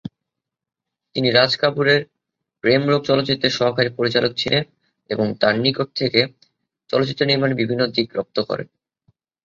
তিনি রাজ কাপুরের "প্রেম রোগ" চলচ্চিত্রের সহকারী পরিচালক ছিলেন এবং তার নিকট থেকে চলচ্চিত্র নির্মাণের বিভিন্ন দিক রপ্ত করেন।